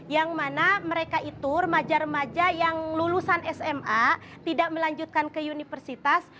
yang mana mereka itu remaja remaja yang lulusan sma tidak melanjutkan ke universitas